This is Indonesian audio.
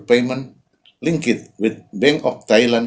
yang terkait dengan bank thailand